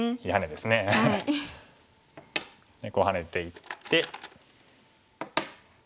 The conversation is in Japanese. でこうハネていって。